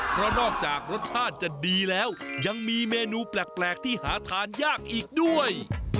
เพราะนอกจากรสชาติจะดีแล้วยังมีเมนูแปลกที่หาทานยากอีกด้วย